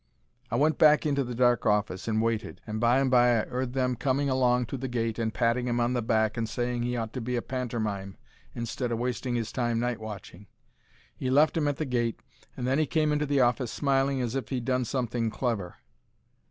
I went back into the dark office and waited, and by and by I 'eard them coming along to the gate and patting 'im on the back and saying he ought to be in a pantermime instead o' wasting 'is time night watching. He left 'em at the gate, and then 'e came into the office smiling as if he'd done something clever.